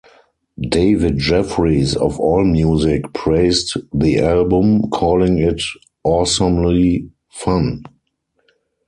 David Jeffries of AllMusic praised the album, calling it "awesomely fun".